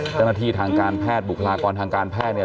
เจ้าหน้าที่ทางการแพทย์บุคลากรทางการแพทย์